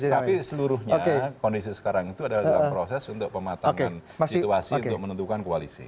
tapi seluruhnya kondisi sekarang itu adalah proses untuk pematangan situasi untuk menentukan koalisi